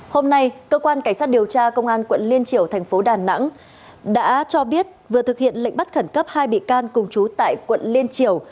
hôm nay cơ quan cảnh sát điều tra công an quận liên triểu thành phố đà nẵng đã cho biết vừa thực hiện lệnh bắt khẩn cấp hai bị can cùng chú tại quận liên triều